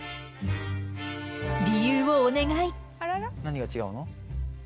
理由をお願い。